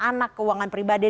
dan juga kesehatan yang spesifik